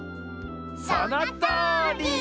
そのとおり！